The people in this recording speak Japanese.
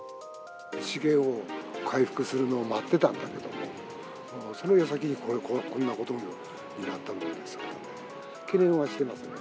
資源が回復するのを待ってたんだけども、そのやさきにこんなことになったものですからね。